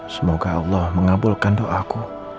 semoga allah mengabulkan doaku